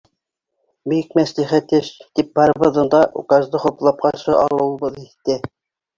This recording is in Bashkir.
Бик мәслихәт эш, тип барыбыҙҙың да указды хуплап ҡаршы алыуыбыҙ иҫтә.